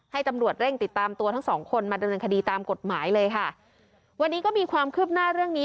ให้ตำรวจเร่งติดตามตัวทั้งสองคนมาดำเนินคดีตามกฎหมายเลยค่ะวันนี้ก็มีความคืบหน้าเรื่องนี้